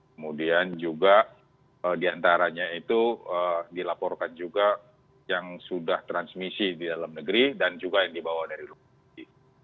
kemudian juga diantaranya itu dilaporkan juga yang sudah transmisi di dalam negeri dan juga yang dibawa dari luar negeri